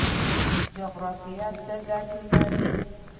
جغرافیه څه ګټه لري؟